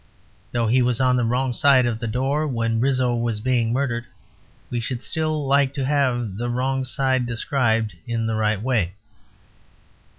Though he was on the wrong side of the door when Rizzio was being murdered, we should still like to have the wrong side described in the right way.